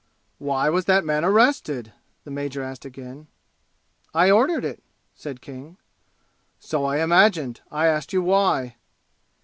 "Why was that man arrested?" the major asked again. "I ordered it," said King. "So I imagined. I asked you why."